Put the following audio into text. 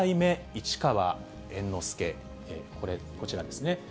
市川猿之助、これ、こちらですね。